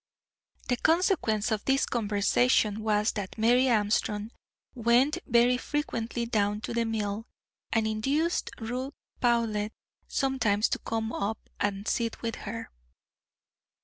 The consequence of this conversation was that Mary Armstrong went very frequently down to the mill, and induced Ruth Powlett, sometimes, to come up and sit with her.